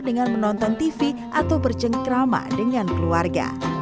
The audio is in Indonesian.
dengan menonton tv atau bercengkrama dengan keluarga